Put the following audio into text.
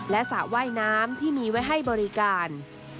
และสระว่ายน้ำที่มีไว้ให้บริการ